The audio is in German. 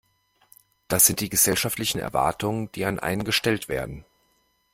Das sind die gesellschaftlichen Erwartungen, die an einen gestellt werden.